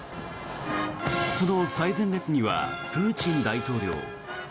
その最前列にはプーチン大統領。